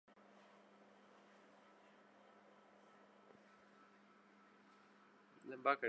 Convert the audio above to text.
پاکستان میں جمہوری ادارے قائم ہیں۔